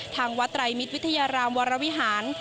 ทางวัดไตรมิตรวิทยารามวรวิหาร